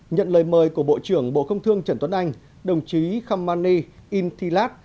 nhận lời mời của bộ trưởng bộ công thương trần tuấn anh đồng chí khamani intilat